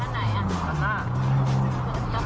ทางไหนอ่ะ